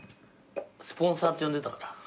スポンサーって呼んでたから。